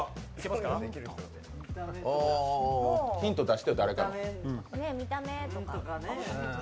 ヒント出してよ、誰か。